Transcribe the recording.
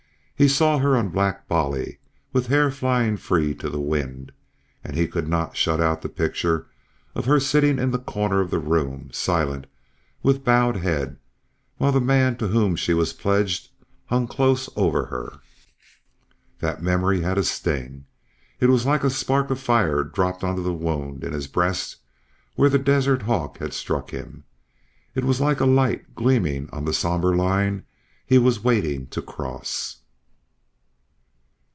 He saw her on Black Bolly with hair flying free to the wind. And he could not shut out the picture of her sitting in the corner of the room, silent, with bowed head, while the man to whom she was pledged hung close over her. That memory had a sting. It was like a spark of fire dropped on the wound in his breast where the desert hawk had struck him. It was like a light gleaming on the sombre line he was waiting to cross.